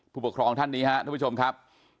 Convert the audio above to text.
ผู้ปกครองท่านนี้ครับท่านผู้ชมครับ